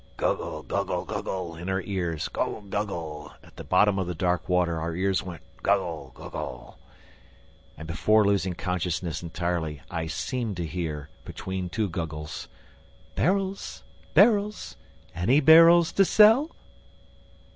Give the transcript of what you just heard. ..." "Guggle, guggle, guggle!" in our ears. "Guggle! Guggle!" At the bottom of the dark water, our ears went, "Guggle! Guggle!" And, before losing consciousness entirely, I seemed to hear, between two guggles: "Barrels! Barrels! Any barrels to sell?"